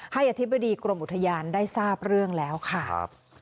อธิบดีกรมอุทยานได้ทราบเรื่องแล้วค่ะ